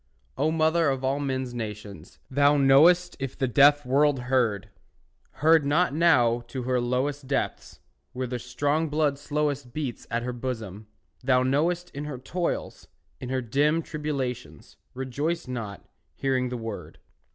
O mother of all men's nations, Thou knowest if the deaf world heard! Heard not now to her lowest Depths, where the strong blood slowest Beats at her bosom, thou knowest, In her toils, in her dim tribulations, Rejoiced not, hearing the word.